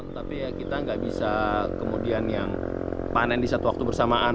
tapi ya kita nggak bisa kemudian yang panen di satu waktu bersamaan